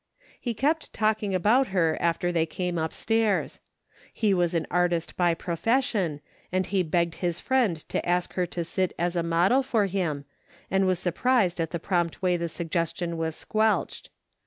He kept talking about her after they came upstairs. He was an artist by profession, and he begged his friend to ask her to sit as a model for him, and was surprised at the prompt way the sugges tion was squelched.